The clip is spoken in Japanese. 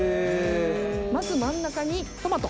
まず真ん中にトマト。